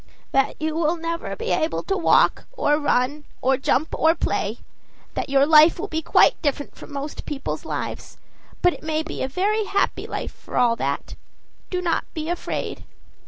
"That you will never be able to walk or run or jump or play that your life will be quite different from most people's lives; but it may be a very happy life for all that. Do not be afraid."